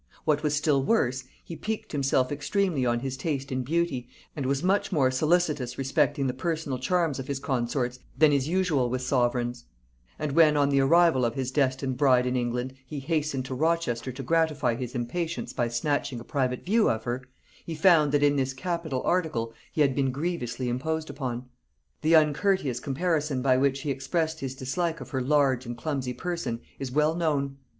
What was still worse, he piqued himself extremely on his taste in beauty, and was much more solicitous respecting the personal charms of his consorts than is usual with sovereigns; and when, on the arrival of his destined bride in England, he hastened to Rochester to gratify his impatience by snatching a private view of her, he found that in this capital article he had been grievously imposed upon. The uncourteous comparison by which he expressed his dislike of her large and clumsy person is well known.